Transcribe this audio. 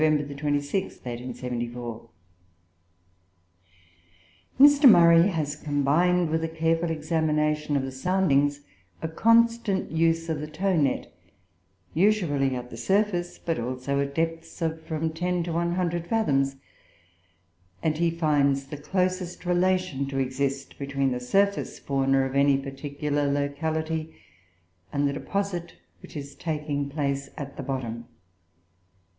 26, 1874.] "Mr. Murray has combined with a careful examination of the soundings a constant use of the tow net, usually at the surface, but also at depths of from ten to one hundred fathoms; and he finds the closest relation to exist between the surface fauna of any particular locality and the deposit which is taking place at the bottom.